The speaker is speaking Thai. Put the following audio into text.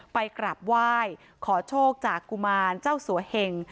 ไปกราบไหว้ขอโชคจากกุมารเจ้าสัวเหง